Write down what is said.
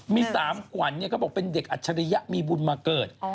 มี๓ขวัญเขาบอกเป็นเด็กอัจฉริยะมีบุญมาเกิด